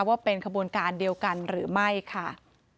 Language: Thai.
ว่าเป็นขบวนการเดียวกันหรือไม่ค่ะ